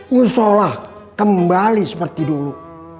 ngesolah kembali seperti dulu